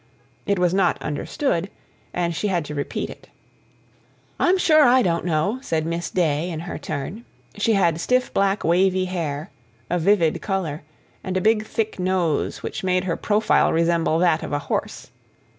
It was not understood, and she had to repeat it. "I'm sure I don't know," said Miss Day in her turn: she had stiff, black, wavy hair, a vivid colour, and a big, thick nose which made her profile resemble that of a horse.